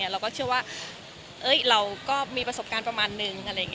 เราก็เชื่อว่าเราก็มีประสบการณ์ประมาณนึง